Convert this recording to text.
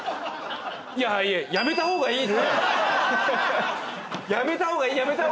いやいややめたほうがいい。